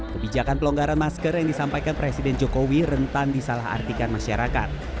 kebijakan pelonggaran masker yang disampaikan presiden jokowi rentan disalah artikan masyarakat